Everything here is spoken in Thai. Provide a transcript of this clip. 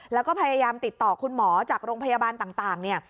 แล้วก็พยายามติดต่อคุณหมอจากโรงพยาบาลต่างเนี่ย